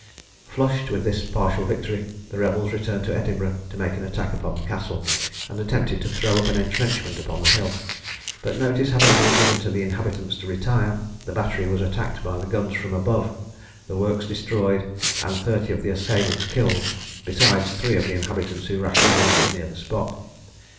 Flushed with this partial victory, the rebels returned to Edinburgh to make an attack upon the castle, and attempted to throw up an entrenchment upon the hill; but notice having been given to the inhabitants to retire, the battery was attacked by the guns from above, the works destroyed, and thirty of the assailants killed, besides three of the inhabitants who rashly ventured near the spot.